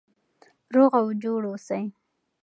روغ او جوړ اوسئ.